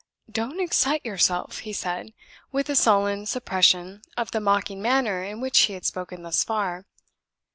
"Don't excite yourself," he said, with a sullen suppression of the mocking manner in which he had spoken thus far.